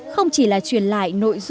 không chỉ là chuyển lại nội dung giải điệu